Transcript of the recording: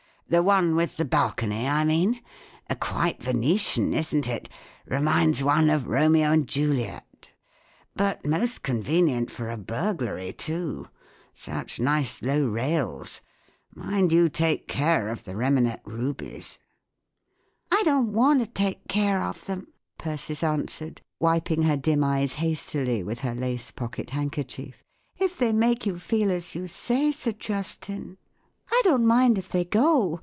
" The one with the balcony, I mean ? Quite Venetian, isn't it ? Reminds one of Romeo and Juliet But most convenient for a burg¬ lary, too ! Such nice low rails ! Mind you take good care of the Remanet rubies !" "I don't want to take care of them," Persis answered, wiping her dim eyes hastily with her lace pocket handkerchief, " if they make you feel as you say, Sir Justin. I don't mind if they go.